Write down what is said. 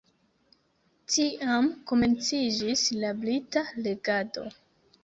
Tiam komenciĝis la brita regado.